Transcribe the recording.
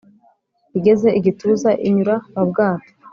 igeze i gituza inyura mu bwato